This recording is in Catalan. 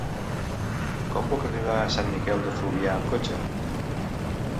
Com puc arribar a Sant Miquel de Fluvià amb cotxe?